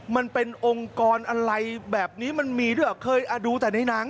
มันเป็นองค์กรอะไรแบบนี้มันมีด้วยเหรอเคยอ่ะดูแต่ในหนัง